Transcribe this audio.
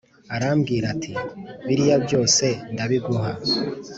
aramubwira ati Biriya byose ndabiguha